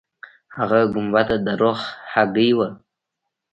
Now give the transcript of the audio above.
هغه ګنبده د رخ هګۍ وه.